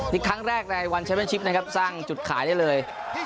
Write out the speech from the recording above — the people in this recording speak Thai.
ครั้งแรกในวันแชมเป็นชิปนะครับสร้างจุดขายได้เลย